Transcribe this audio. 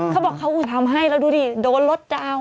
เขาบอกเขาก็ทำให้แล้วดูดิโดนลดดาวน์